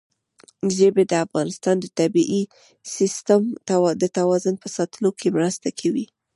ژبې د افغانستان د طبعي سیسټم د توازن په ساتلو کې مرسته کوي.